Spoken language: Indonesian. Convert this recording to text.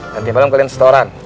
nanti malem kalian setoran